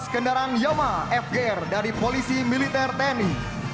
dua belas kendaraan yama fgr dari polisi militer tni